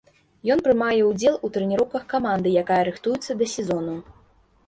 Ён прымае ўдзел у трэніроўках каманды, якая рыхтуецца да сезону.